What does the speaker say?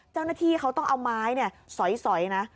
เจ้าหน้าที่เขาต้องเอาไม้สอยนะ